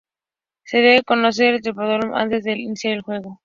Se debe conectar el teclado antes de iniciar el juego.